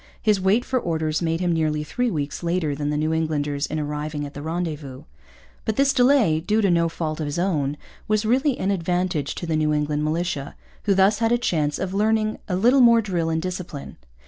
His wait for orders made him nearly three weeks later than the New Englanders in arriving at the rendezvous. But this delay, due to no fault of his own, was really an advantage to the New England militia, who thus had a chance of learning a little more drill and discipline.